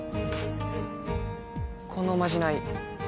このおまじない